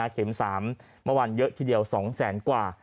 เข็ม๓เมื่อวานเยอะทีเดียว๒แสนกว่า